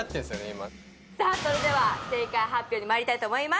今さあそれでは正解発表にまいりたいと思います